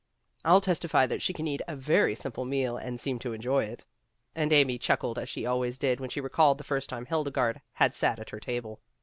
"I'll testify that she can eat a very simple meal and seem to enjoy it." And Amy chuc kled as she always did when she recalled the first time Hildegarde had sat at her table.